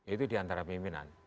itu di antara pimpinan